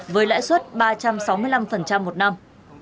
với lãi suất ba trăm sáu mươi năm một năm